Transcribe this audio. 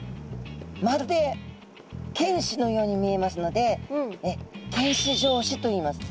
まるで犬歯のように見えますので犬歯状歯といいます。